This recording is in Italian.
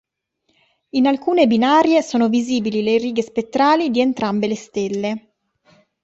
In alcune binarie sono visibili le righe spettrali di entrambe le stelle.